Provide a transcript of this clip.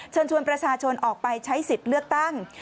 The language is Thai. เชิญชวนประชาชนออกไปใช้สิทธิ์เลือกตั้ง